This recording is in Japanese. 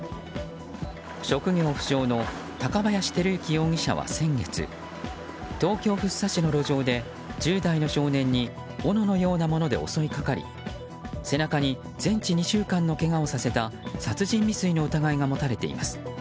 職業不詳の高林輝行容疑者は先月東京・福生市の路上で１０代の少年に斧のようなもので襲いかかり背中に全治２週間のけがをさせた殺人未遂の疑いが持たれています。